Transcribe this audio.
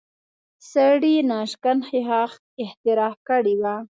سړي ناشکن ښیښه اختراع کړې وه